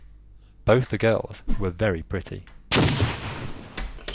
Both the girls were very pretty.